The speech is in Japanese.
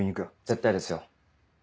絶対ですよ。